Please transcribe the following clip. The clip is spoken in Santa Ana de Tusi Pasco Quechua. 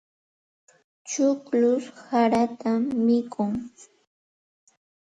Chukllush sarata mikun.